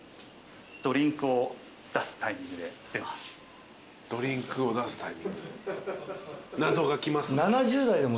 ドリンクを出すタイミングで謎が来ます。